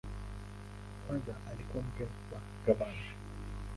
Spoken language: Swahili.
Kwanza alikuwa mke wa gavana.